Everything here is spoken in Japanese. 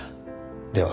では。